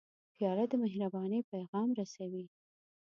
پیاله د مهربانۍ پیغام رسوي.